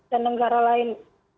dan negara lain